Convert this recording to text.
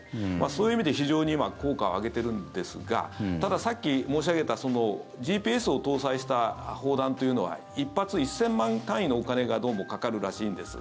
そういう意味で非常に今効果を上げているんですがただ、さっき申し上げたＧＰＳを搭載した砲弾というのは１発１０００万円単位のお金がどうもかかるらしいんです。